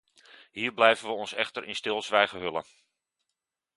Hier blijven we ons echter in stilzwijgen hullen.